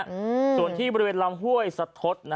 อืมส่วนที่บริเวณลำห้วยสะทดนะฮะ